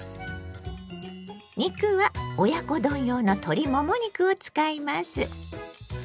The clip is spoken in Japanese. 肉は親子丼用の鶏もも肉を使います。